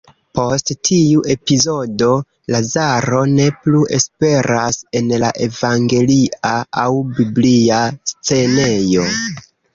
Post tiu epizodo, Lazaro ne plu aperas en la evangelia aŭ biblia scenejo.